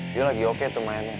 dia lagi oke temannya